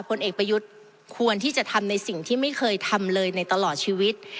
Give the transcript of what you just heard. ผลเอกประยุทธ์ควรที่จะทำในสิ่งที่ไม่เคยทำเลยในตลอดชีวิต